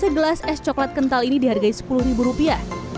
segelas es coklat kental ini dihargai sepuluh ribu rupiah